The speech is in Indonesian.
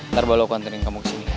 ntar bawa lo aku anterin kamu kesini